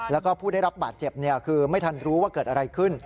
แล้วก็ผู้ได้รับบาดเจ็บคือไม่ทันรู้ว่าเกิดอะไรขึ้น